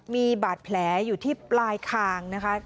มีบาดแผลอยู่ที่ปลายคางนะคะ